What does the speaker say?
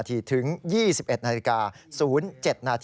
ถึง๒๑น๐๗น